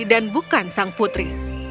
dan bukan sang putri